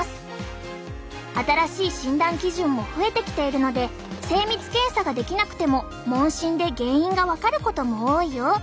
新しい診断基準も増えてきているので精密検査ができなくても問診で原因が分かることも多いよ。